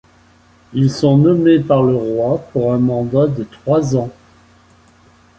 Ils sont nommés par le roi pour un mandat de trois ans.